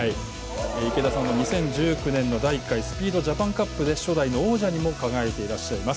池田さんは２０１９年の第１回スピードジャパンカップで初代王者に輝いております。